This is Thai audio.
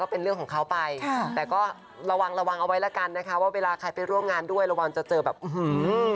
เพราะว่าเวลาใครไปร่วมงานด้วยระวังจะเจอแบบอื้อฮือ